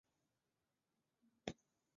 金色代表澳大利亚的国花金合欢。